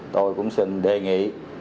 tôi cũng xin đề nghị